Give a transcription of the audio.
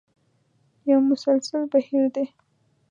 یو مسلسل بهیر دی.